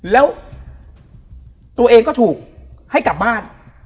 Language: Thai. แล้วตัวเองก็ถูกให้กลับบ้าน